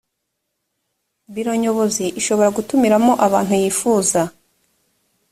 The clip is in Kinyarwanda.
biro nyobozi ishobora gutumira mo abantu yifuza